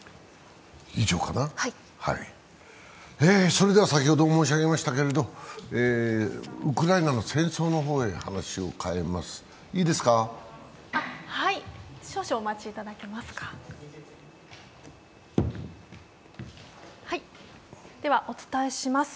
それでは先ほど申し上げましたけれど、ウクライナの戦争の方へ話を変えます。